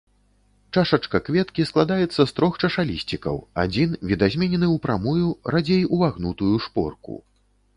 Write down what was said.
Чашачка кветкі складаецца з трох чашалісцікаў, адзін відазменены ў прамую, радзей увагнутую шпорку.